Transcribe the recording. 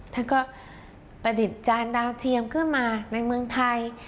ท่านก็ประดิษฐ์จานดาวเทียมขึ้นมาในเมืองไทย